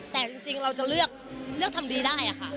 แต่จริงเราจะเลือกทำดีได้ค่ะ